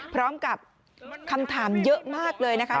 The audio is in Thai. พร้อมกับคำถามเยอะมากเลยนะคะ